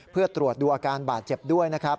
เพื่อตรวจดูอาการบาดเจ็บด้วยนะครับ